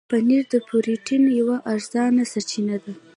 پنېر د پروټين یوه ارزانه سرچینه ده.